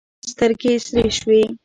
سترګې یې سرې شوې.